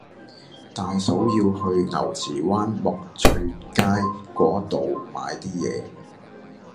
大嫂要去牛池灣沐翠街嗰度買啲嘢